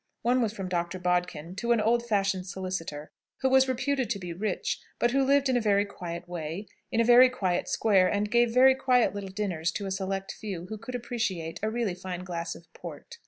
One was from Dr. Bodkin to an old fashioned solicitor, who was reputed to be rich, but who lived in a very quiet way, in a very quiet square, and gave very quiet little dinners to a select few who could appreciate a really fine glass of port.